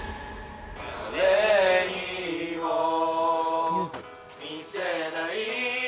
「誰にも見せない」